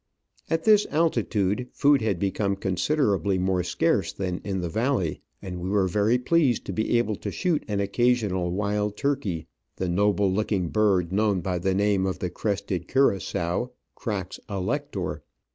At this altitude food had become considerably more scarce than in the valley, and we were very pleased to be able to shoot an occasional wild turkey, the noble looking bird known by the name of the Crested Curassow (Crax alector).